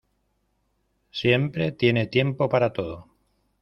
Siempre tiene tiempo para todo.